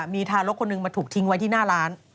มีทารกคนหนึ่งมาถูกทิ้งไว้ที่หน้าร้าน